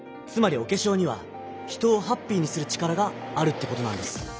つまりおけしょうには人をハッピーにするチカラがあるってことなんです。